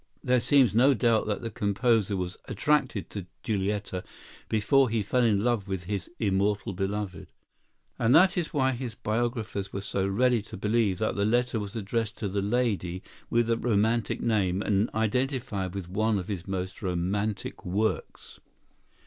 There seems no doubt that the composer was attracted to Giulietta before he fell in love with his "Immortal Beloved." That is why his biographers were so ready to believe that the letter was addressed to the lady with the romantic name and identified with one of his most romantic works.